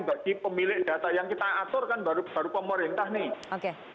bagi pemilik data yang kita atur kan baru pemerintah nih